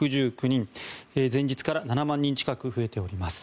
前日から７万人近く増えております。